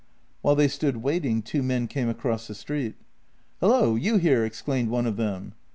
While they stood waiting two men came across the street. " Hullo, you here! " exclaimed one of them.